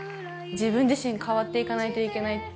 自分自身、変わっていかないといけない。